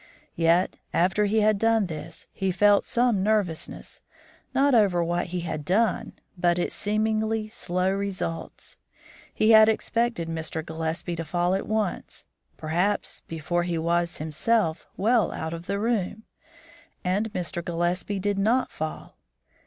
Yet after he had done this, he felt some nervousness, not over what he had done, but its seemingly slow results. He had expected Mr. Gillespie to fall at once, perhaps before he was, himself, well out of the room, and Mr. Gillespie did not fall.